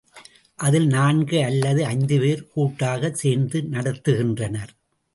அதில் நான்கு அல்லது ஐந்துபேர் கூட்டாகச் சேர்ந்து நடத்துகின்றனர்.